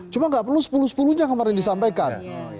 cuma nggak perlu sepuluh sepuluh nya kemarin disampaikan